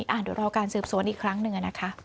เดี๋ยวรอการสืบสวนอีกครั้งหนึ่งนะคะ